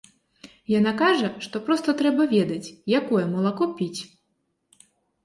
Яна кажа, што проста трэба ведаць, якое малако піць.